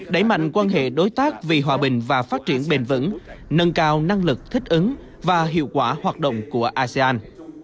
đẩy mạnh quan hệ đối tác vì hòa bình và phát triển bền vững nâng cao năng lực thích ứng và hiệu quả hoạt động của asean